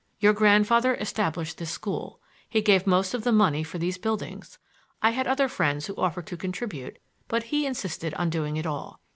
Your grandfather established this school; he gave most of the money for these buildings. I had other friends who offered to contribute, but he insisted on doing it all.